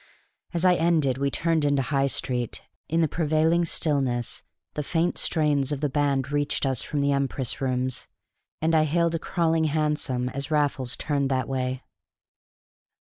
As I ended we turned into High Street; in the prevailing stillness, the faint strains of the band reached us from the Empress Rooms; and I hailed a crawling hansom as Raffles turned that way.